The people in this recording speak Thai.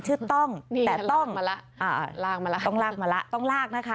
ชื่อต้องแต่ต้องลากมาแล้วต้องลากมาแล้วต้องลากนะคะ